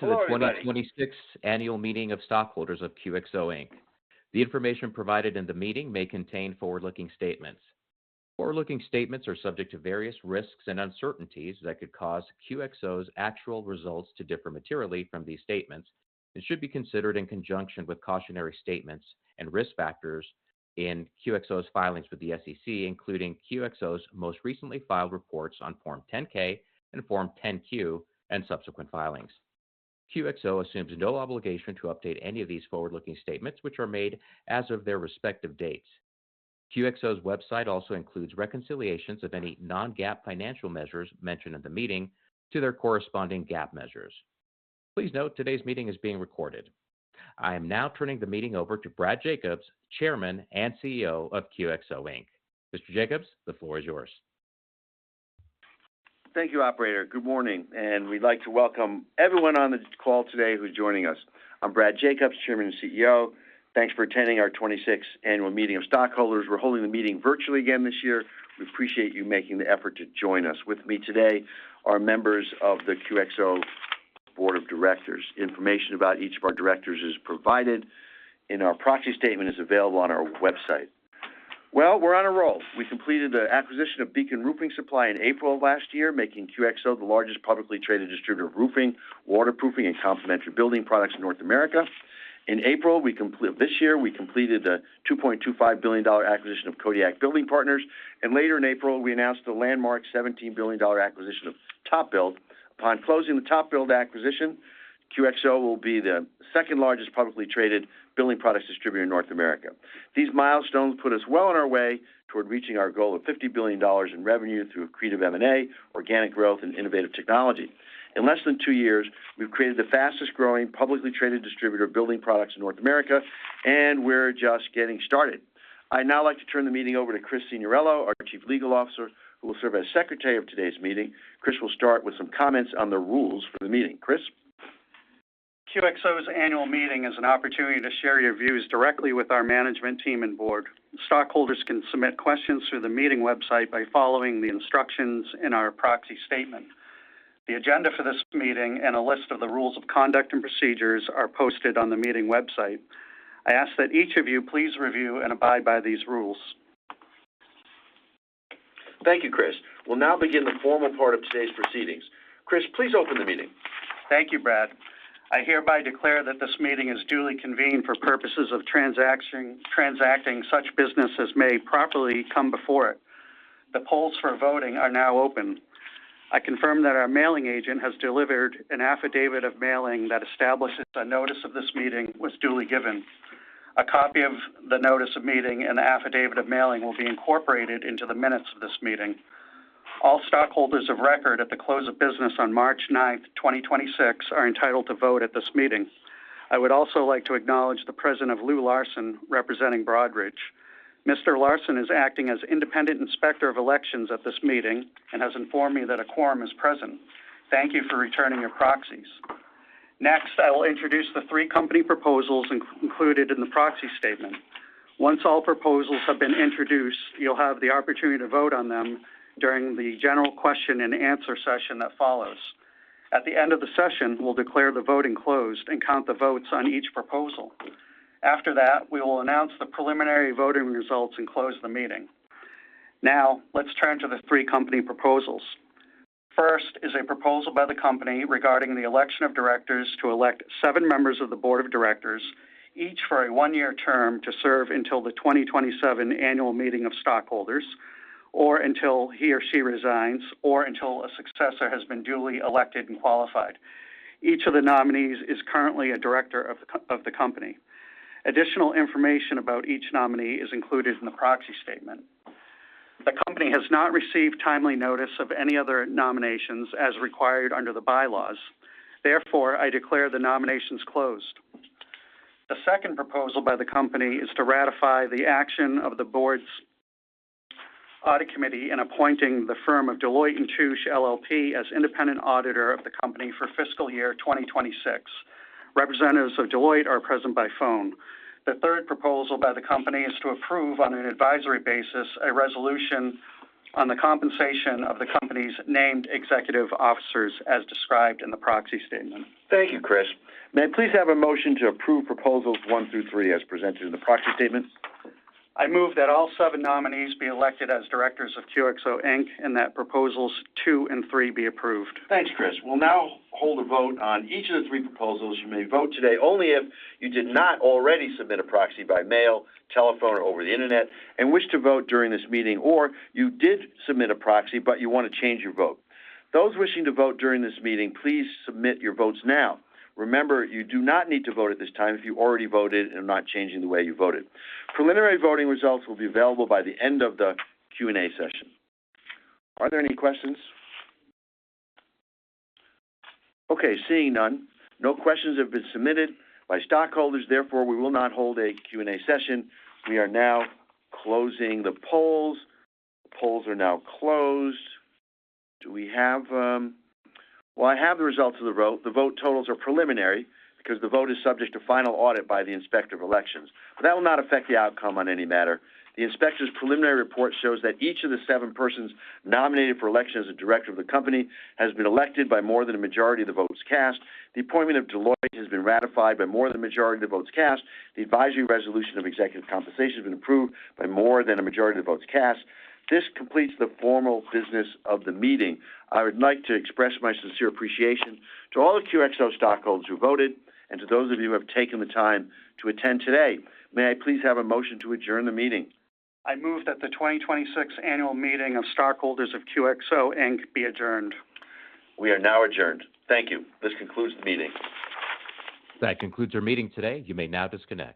To the 2026 annual meeting of stockholders of QXO, Inc. The information provided in the meeting may contain forward-looking statements. Forward-looking statements are subject to various risks and uncertainties that could cause QXO's actual results to differ materially from these statements and should be considered in conjunction with cautionary statements and risk factors in QXO's filings with the SEC, including QXO's most recently filed reports on Form 10-K and Form 10-Q, and subsequent filings. QXO assumes no obligation to update any of these forward-looking statements, which are made as of their respective dates. QXO's website also includes reconciliations of any non-GAAP financial measures mentioned in the meeting to their corresponding GAAP measures. Please note today's meeting is being recorded. I am now turning the meeting over to Brad Jacobs, Chairman and CEO of QXO, Inc. Mr. Jacobs, the floor is yours. Thank you, operator. Good morning, and we'd like to welcome everyone on this call today who's joining us. I'm Brad Jacobs, Chairman and CEO. Thanks for attending our 26th Annual Meeting of Stockholders. We're holding the meeting virtually again this year. We appreciate you making the effort to join us. With me today are members of the QXO board of directors. Information about each of our directors is provided in our proxy statement is available on our website. Well, we're on a roll. We completed the acquisition of Beacon Roofing Supply in April of last year, making QXO the largest publicly traded distributor of roofing, waterproofing, and complementary building products in North America. In April, this year, we completed a $2.25 billion acquisition of Kodiak Building Partners. Later in April, we announced the landmark $17 billion acquisition of TopBuild. Upon closing the TopBuild acquisition, QXO will be the second largest publicly traded building products distributor in North America. These milestones put us well on our way toward reaching our goal of $50 billion in revenue through accretive M&A, organic growth, and innovative technology. In less than two years, we've created the fastest growing publicly traded distributor of building products in North America, and we're just getting started. I'd now like to turn the meeting over to Chris Signorello, our Chief Legal Officer, who will serve as secretary of today's meeting. Chris will start with some comments on the rules for the meeting. Chris? QXO's annual meeting is an opportunity to share your views directly with our management team and board. Stockholders can submit questions through the meeting website by following the instructions in our proxy statement. The agenda for this meeting and a list of the rules of conduct and procedures are posted on the meeting website. I ask that each of you please review and abide by these rules. Thank you, Chris. We'll now begin the formal part of today's proceedings. Chris, please open the meeting. Thank you, Brad. I hereby declare that this meeting is duly convened for purposes of transaction, transacting such business as may properly come before it. The polls for voting are now open. I confirm that our mailing agent has delivered an affidavit of mailing that establishes the notice of this meeting was duly given. A copy of the notice of meeting and affidavit of mailing will be incorporated into the minutes of this meeting. All stockholders of record at the close of business on March 9, 2026 are entitled to vote at this meeting. I would also like to acknowledge the presence of Lew Larson, representing Broadridge. Mr. Larson is acting as independent inspector of elections at this meeting and has informed me that a quorum is present. Thank you for returning your proxies. Next, I will introduce the three company proposals included in the proxy statement. Once all proposals have been introduced, you'll have the opportunity to vote on them during the general question-and-answer session that follows. At the end of the session, we'll declare the voting closed and count the votes on each proposal. After that, we will announce the preliminary voting results and close the meeting. Let's turn to the three company proposals. Is a proposal by the company regarding the election of directors to elect seven members of the board of directors, each for a one-year term to serve until the 2027 Annual Meeting of Stockholders or until he or she resigns or until a successor has been duly elected and qualified. Each of the nominees is currently a director of the company. Additional information about each nominee is included in the proxy statement. The company has not received timely notice of any other nominations as required under the bylaws. Therefore, I declare the nominations closed. The second proposal by the company is to ratify the action of the board's audit committee in appointing the firm of Deloitte & Touche, LLP as independent auditor of the company for fiscal year 2026. Representatives of Deloitte are present by phone. The third proposal by the company is to approve, on an advisory basis, a resolution on the compensation of the company's named executive officers as described in the proxy statement. Thank you, Chris. May I please have a motion to approve proposals one through three as presented in the proxy statement? I move that all seven nominees be elected as directors of QXO, Inc. and that proposals two and three be approved. Thanks, Chris. We'll now hold a vote on each of the three proposals. You may vote today only if you did not already submit a proxy by mail, telephone, or over the internet and wish to vote during this meeting, or you did submit a proxy, but you want to change your vote. Those wishing to vote during this meeting, please submit your votes now. Remember, you do not need to vote at this time if you already voted and are not changing the way you voted. Preliminary voting results will be available by the end of the Q&A session. Are there any questions? Okay, seeing none. No questions have been submitted by stockholders, therefore we will not hold a Q&A session. We are now closing the polls. The polls are now closed. Do we have? I have the results of the vote. The vote totals are preliminary because the vote is subject to final audit by the inspector of elections, but that will not affect the outcome on any matter. The inspector's preliminary report shows that each of the seven persons nominated for election as a director of the company has been elected by more than a majority of the votes cast. The appointment of Deloitte has been ratified by more than the majority of the votes cast. The advisory resolution of executive compensation has been approved by more than a majority of the votes cast. This completes the formal business of the meeting. I would like to express my sincere appreciation to all the QXO stockholders who voted and to those of you who have taken the time to attend today. May I please have a motion to adjourn the meeting? I move that the 2026 Annual Meeting of Stockholders of QXO, Inc. be adjourned. We are now adjourned. Thank you. This concludes the meeting. That concludes our meeting today. You may now disconnect.